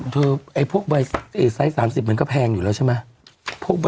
เธอไอ้พวกไบไอ้ไซส์สามสิบเหมือนก็แพงอยู่แล้วใช่ไหม